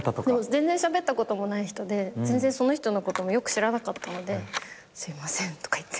全然しゃべったこともない人で全然その人のこともよく知らなかったので「すいません」とか言って。